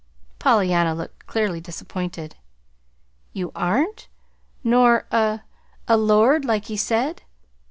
'" Pollyanna looked clearly disappointed. "You aren't? Nor a a lord, like he said?"